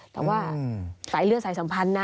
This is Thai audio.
แต่ว่าสายเลือดสายสัมพันธ์นะ